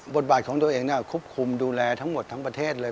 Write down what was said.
บทบาทของตัวเองควบคุมดูแลทั้งหมดทั้งประเทศเลย